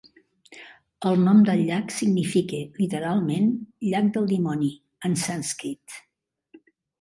El nom del llac significa literalment "llac del dimoni" en sànscrit.